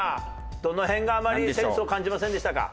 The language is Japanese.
どの辺があまりセンスを感じませんでしたか？